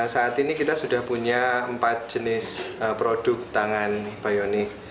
saat ini kita sudah punya empat jenis produk tangan bionik